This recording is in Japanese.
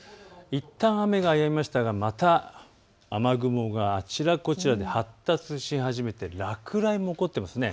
いったん雨がやみましたが、また雨雲があちらこちらで発達しはじめて落雷も起こっています。